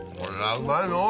うまいのぉ！